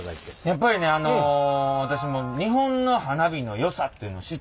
やっぱりねあの私日本の花火のよさっていうのを知ったんでね。